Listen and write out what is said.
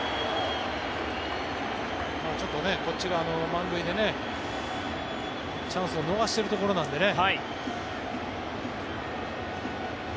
ちょっとこっちが満塁でチャンスを逃してるところなんでね。